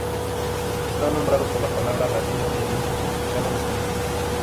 Está nombrado por la palabra latina de mismo significado en español.